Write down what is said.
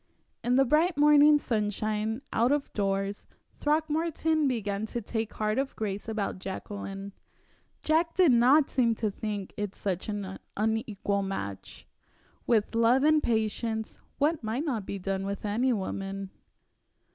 In the bright morning sunshine out of doors Throckmorton began to take heart of grace about Jacqueline. Jack did not seem to think it such an unequal match. With love and patience what might not be done with any woman?